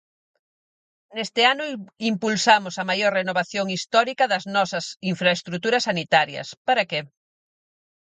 Neste ano impulsamos a maior renovación histórica das nosas infraestruturas sanitarias, ¿para que?